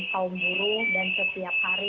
kaum buruh dan setiap hari